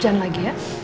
jangan lagi ya